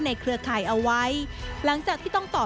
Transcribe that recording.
ในเครือข่ายเอาไว้